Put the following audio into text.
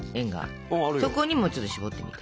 そこにもちょっとしぼってみて。